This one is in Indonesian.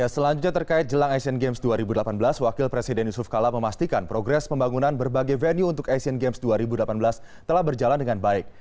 selanjutnya terkait jelang asian games dua ribu delapan belas wakil presiden yusuf kala memastikan progres pembangunan berbagai venue untuk asian games dua ribu delapan belas telah berjalan dengan baik